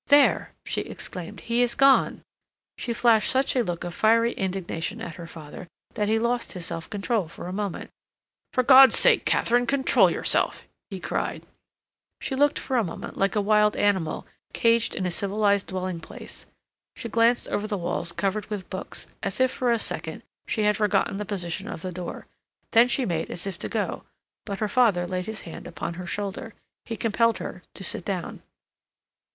"There!" she exclaimed. "He is gone!" She flashed such a look of fiery indignation at her father that he lost his self control for a moment. "For God's sake, Katharine, control yourself!" he cried. She looked for a moment like a wild animal caged in a civilized dwelling place. She glanced over the walls covered with books, as if for a second she had forgotten the position of the door. Then she made as if to go, but her father laid his hand upon her shoulder. He compelled her to sit down.